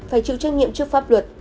phải chịu trách nhiệm trước pháp luật